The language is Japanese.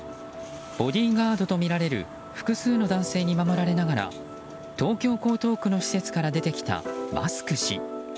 ボディーガードとみられる複数の男性に守られながら東京・江東区の施設から出てきたマスク氏。